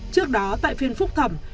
trước đó tại phiên phúc thẩm